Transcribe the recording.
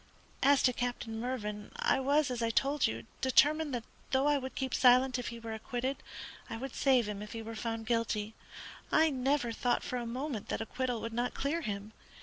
As to Captain Mervyn, I was, as I told you, determined that though I would keep silent if he were acquitted, I would save him if he were found guilty. I never thought for a moment that acquittal would not clear him.